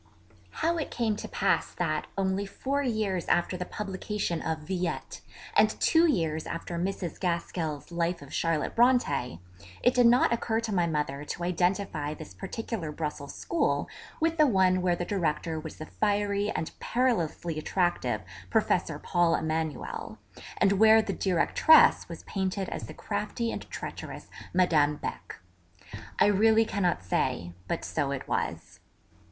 How it came to pass that, only four years after the publication of Villette, and two years after Mrs. Gaskell's Life of Charlotte Brontë, it did not occur to my mother to identify this particular Brussels school with the one where the Director was the fiery and perilously attractive 'Professor Paul Emanuel' and where the Directress was painted as the crafty and treacherous 'Madame Beck,' I really cannot say; but, so it was.